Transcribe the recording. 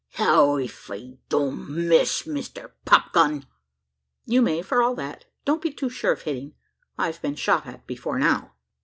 "How ef I don't miss, Mister Popgun?" "You may, for all that. Don't be too sure of hitting I've been shot at before now."